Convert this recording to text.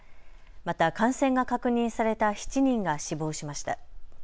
また感染が確認された７人が死亡しました。